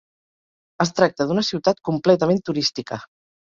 Es tracta d'una ciutat completament turística.